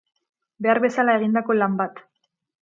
Behar bezala egindako lan bat.